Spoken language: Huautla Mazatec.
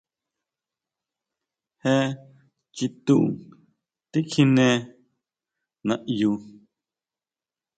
¿Jé chitu tikjiné naʼyu?